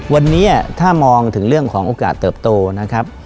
วันนี้ถ้ามองถึงเรื่องของโอกาสเติบโตนะครับ